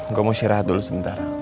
gue mau syirah dulu sebentar